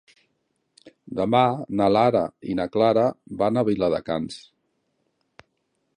Demà na Lara i na Clara van a Viladecans.